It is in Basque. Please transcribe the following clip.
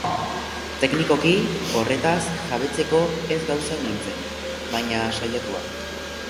Teknikoki horretaz jabetzeko ez-gauza nintzen, baina saiatua.